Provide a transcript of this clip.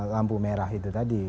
lampu merah itu tadi